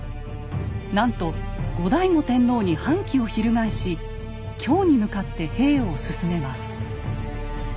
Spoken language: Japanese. なんと後醍醐天皇に反旗を翻し京に向かって兵を進めます。